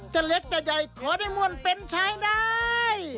จะเล็กจะใหญ่ขอได้มวลเป็นชายได้